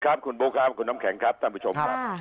ครับคุณบุ๊คครับคุณน้ำแข็งครับท่านผู้ชมครับ